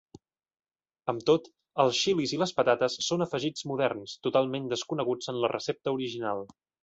Amb tot, els xilis i les patates són afegits moderns, totalment desconeguts en la recepta original.